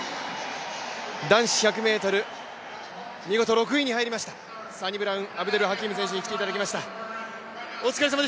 男子１００ｍ、見事６位に入りました、サニブラウン・アブデルハキーム選手に来ていただきました。